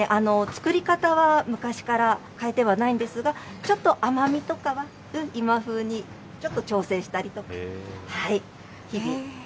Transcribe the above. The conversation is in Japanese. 作り方は昔から変えてはないんですが、ちょっと甘みとかは、今風にちょっと調整したりとか、日々。